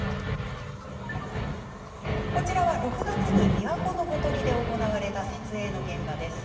こちらは、６月に琵琶湖のほとりで行われた撮影の現場です。